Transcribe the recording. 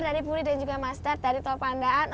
dari puri dan juga mas dard dari toh pandaan